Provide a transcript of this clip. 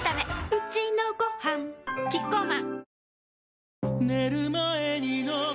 うちのごはんキッコーマン